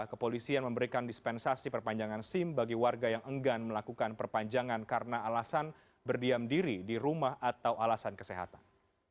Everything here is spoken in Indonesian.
kepolisian memberikan dispensasi perpanjangan sim bagi warga yang enggan melakukan perpanjangan karena alasan berdiam diri di rumah atau alasan kesehatan